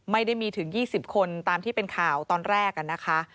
ไม่ได้มีถึง๒๐คนตามที่เป็นข่าวตอนแรกนะคะ